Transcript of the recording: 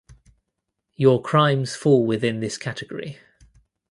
Your crimes fall within this category.